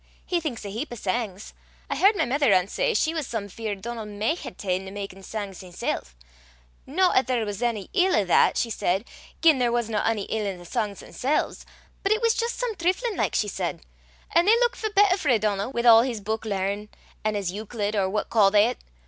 He thinks a heap o' sangs. I h'ard my mither ance say she was some feart Donal micht hae ta'en to makin' sangs himsel'; no 'at there was ony ill i' that, she said, gien there wasna ony ill i' the sangs themsel's; but it was jist some trifflin' like, she said, an' they luikit for better frae Donal, wi' a' his buik lear, an' his Euclid or what ca' they 't?